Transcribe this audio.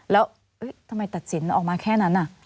แล้วทำไมตัดสินออกมาแค่นั้น